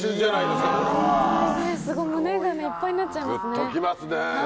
すごい胸がいっぱいになっちぐっときますね。